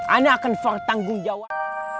ana akan bertanggung jawab